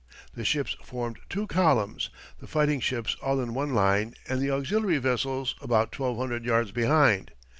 The ships formed two columns, the fighting ships all in one line, and the auxiliary vessels about twelve hundred yards behind.